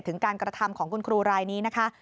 ถึงการกระทำของคุณครูรายนี้นะคะ